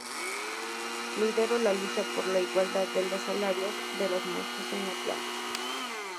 Lideró la lucha por la igualdad de los salarios de los maestros en Atlanta.